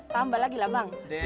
tambah lagi lah bang